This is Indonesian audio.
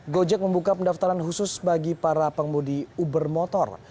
gojek membuka pendaftaran khusus bagi para pengemudi uber motor